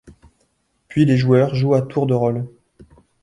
Puis les joueurs jouent à tour de rôle.